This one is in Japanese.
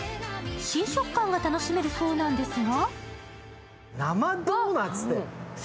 新食感が楽しめるそうなんですが。